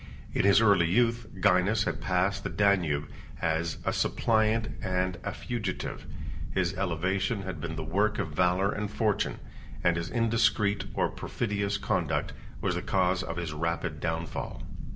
In his early youth, Gainas had passed the Danube as a suppliant and a fugitive: his elevation had been the work of valor and fortune; and his indiscreet or perfidious conduct was the cause of his rapid downfall.